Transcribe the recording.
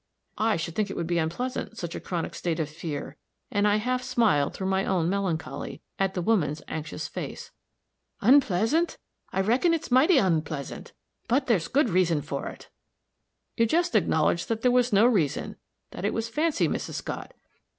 "I should think it would be unpleasant, such a chronic state of fear," and I half smiled through my own melancholy, at the woman's anxious face. "Onpleasant! I reckon it is mighty onpleasant. But there's good reason for it." "You just acknowledged that there was no reason that it was fancy, Mrs. Scott."